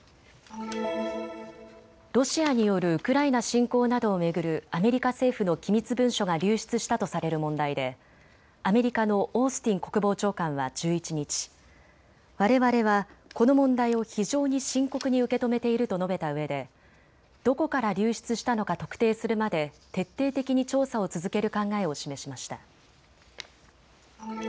ロシアによるウクライナ侵攻などを巡るアメリカ政府の機密文書が流出したとされる問題でアメリカのオースティン国防長官は１１日、われわれはこの問題を非常に深刻に受け止めていると述べたうえでどこから流出したのか特定するまで徹底的に調査を続ける考えを示しました。